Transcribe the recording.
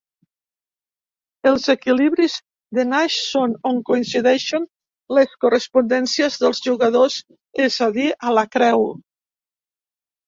Els equilibris de Nash són on coincideixen les correspondències dels jugadors, és a dir, a la creu.